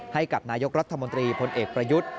ให้กับนายกรัฐมนตรีพลเอกประยุทธ์